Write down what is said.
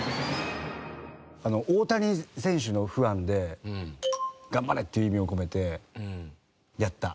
大谷選手のファンで「頑張れ」っていう意味を込めてやった。